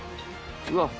うわっ！